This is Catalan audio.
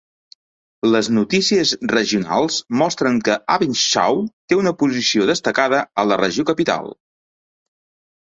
Les notícies regionals mostren que "Abendschau" té una posició destacada a la regió capital.